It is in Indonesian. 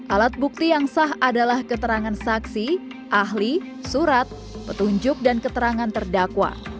alat bukti yang sah adalah keterangan saksi ahli surat petunjuk dan keterangan terdakwa